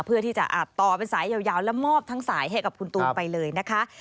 เพื่อที่จะต่อเป็นสายยาวและมอบทั้งสายให้กับคุณตูนไปเลยนะคะ